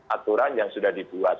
aturan yang sudah dibuat